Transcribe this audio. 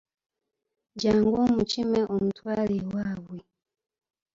Jjangu omukime omutwale ewaabwe.